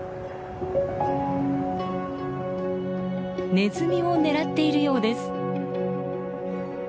ネズミを狙っているようです。